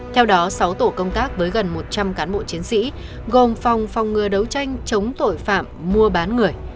theo đó sáu tổ công tác với gần một trăm linh cán bộ chiến sĩ gồm phòng phòng ngừa đấu tranh chống tội phạm mua bán người